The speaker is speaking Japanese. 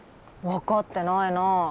分かってないな。